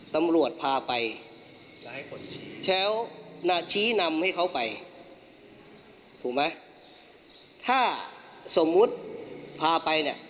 ตำรวจพาไปแล้วชี้นำให้เขาไปถูกไหมถ้าสมมุติพาไปเนี่ย